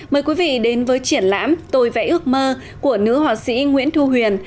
mời quý vị đến với triển lãm tôi vẽ ước mơ của nữ họa sĩ nguyễn thu huyền